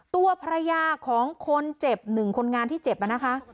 ตัวภรรยาของคนเจ็บหนึ่งคนงานที่เจ็บนะคะ